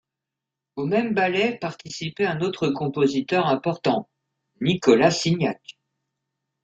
Au même ballet participait un autre compositeur important, Nicolas Signac.